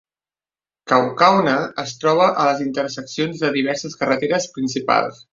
Kaukauna es troba a les interseccions de diverses carreteres principals.